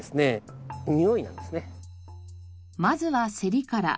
まずはセリから。